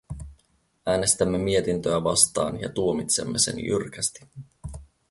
Äänestämme mietintöä vastaan ja tuomitsemme sen jyrkästi.